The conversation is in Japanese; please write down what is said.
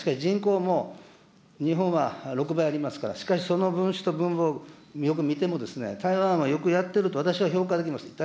しかし人口も日本は６倍ありますから、しかし、その分子と分母をよく見ても、台湾はよくやってると、私は評価できます。